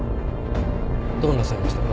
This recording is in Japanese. どうなさいましたか？